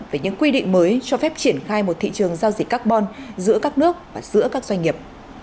về những quy định mới cho phép triển khai một thị trường giao dịch carbon giữa các nước và giữa các doanh nghiệp